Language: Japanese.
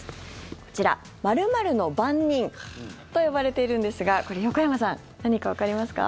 こちら、○○の番人と呼ばれているんですがこれ、横山さん何かわかりますか？